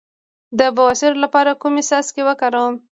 د بواسیر لپاره کوم څاڅکي وکاروم؟